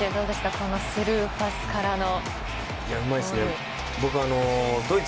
このスルーパスからのゴール。